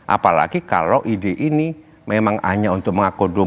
apalagi kalau ide ini memang hanya untuk mengako dua